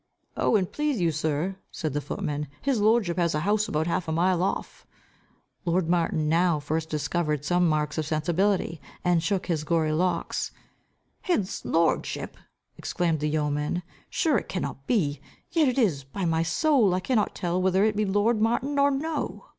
"Oh, and please you, sir," said the footman, "his lordship has a house about half a mile off." Lord Martin now first discovered some marks of sensibility, and shook his goary locks. "His lordship!" exclaimed the yeoman. "Sure it cannot be yet it is by my soul I cannot tell whether it be lord Martin or no."